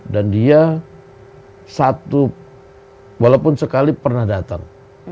dan dia satu walaupun sekali pernah datang